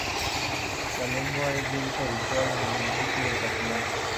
La lengua de uso habitual en el municipio es el castellano.